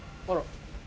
あら。